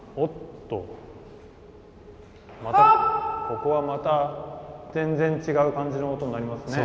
ここはまた全然違う感じの音になりますね。